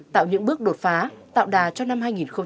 tạo những bước đột phá tạo đà cho năm hai nghìn hai mươi